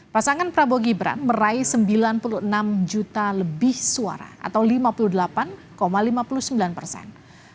pasangan prabowo gibran meraih sembilan puluh enam juta lebih suara atau lima puluh delapan lima puluh sembilan persen